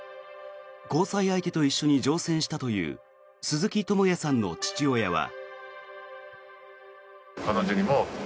交際相手と一緒に乗船したという鈴木智也さんの父親は。